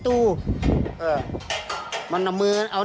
เต็ดยังตกใจอยู่นะ